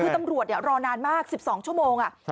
คือตำรวจรอนานมาก๑๒ชั่วโมง